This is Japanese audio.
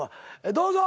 どうぞ！